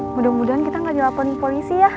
mudah mudahan kita gak jawabkan polisi ya